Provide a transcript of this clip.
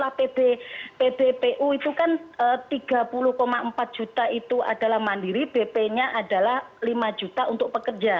karena pbpu itu kan tiga puluh empat juta itu adalah mandiri bp nya adalah lima juta untuk pekerja